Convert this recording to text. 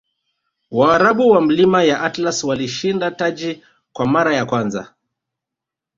waarabu wa milima ya atlas walishinda taji kwa mara ya kwanza